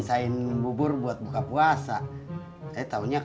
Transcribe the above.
saya juga mau pamit ya